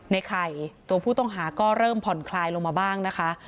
ในไข่ตัวผู้ต้องหาก็เริ่มผ่อนคลายลงมาบ้างนะคะ